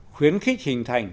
khuyến khích hình thành